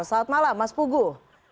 selamat malam mas puguh